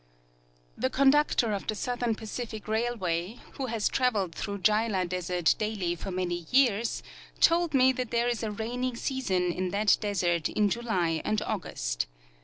The conductor of the Southern Pacific railwa}^, who has trav eled through Gila desert dail}^ for many years, told me that there is a rainy season in that desert in July and August.